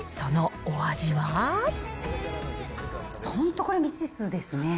本当これ、未知数ですね。